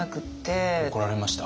怒られました？